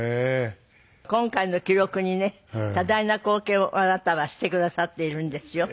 今回の記録にね多大な貢献をあなたはしてくださっているんですよ。